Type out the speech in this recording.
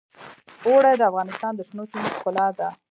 اوړي د افغانستان د شنو سیمو ښکلا ده.